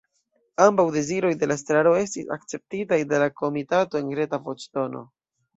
Ambaŭ deziroj de la estraro estis akceptitaj de la komitato en reta voĉdono.